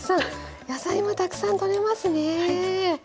野菜もたくさんとれますね。